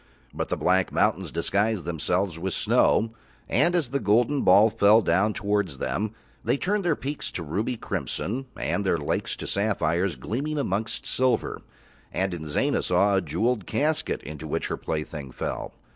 But the black mountains disguised themselves with snow, and as the golden ball fell down towards them they turned their peaks to ruby crimson and their lakes to sapphires gleaming amongst silver, and Inzana saw a jewelled casket into which her plaything fell.